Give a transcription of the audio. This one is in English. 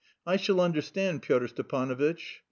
I shall understand, Pyotr Stepanovitch."